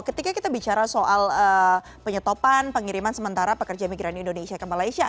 ketika kita bicara soal penyetopan pengiriman sementara pekerja migran indonesia ke malaysia